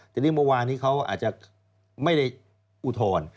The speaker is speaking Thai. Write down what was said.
ทีนี้เมื่อวานนี้เขาอาจจะไม่ได้อุทธรณ์